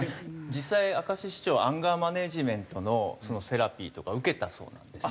実際明石市長アンガーマネジメントのセラピーとか受けたそうなんです。